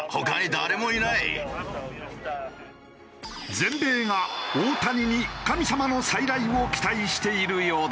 全米が大谷に「神様の再来」を期待しているようだ。